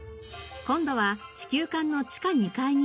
今度は地球館の地下２階に移動。